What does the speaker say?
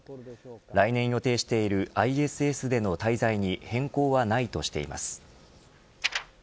来年予定しているＩＳＳでの滞在に変更はないとしています。